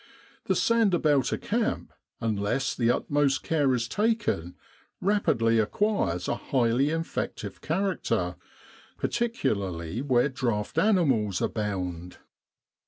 The sand about a camp, unless the utmost care is taken, rapidly acquires a highly infective character, particu larly where draught animals abound.